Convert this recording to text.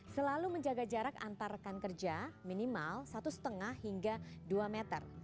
selalu menjaga jarak antar rekan kerja minimal satu lima hingga dua meter